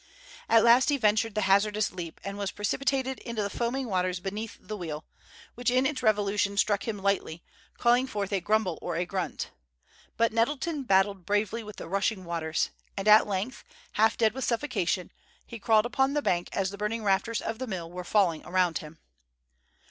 At last he ventured the hazardous leap, and was precipitated into the foaming waters beneath the wheel, which in its revolution struck him lightly, calling forth a grumble or a grunt. But Nettleton battled bravely with the rushing waters, and at length, half dead with suffocation, he crawled upon the bank as the burning rafters of the mill were falling around him.